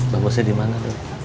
bangusnya dimana dong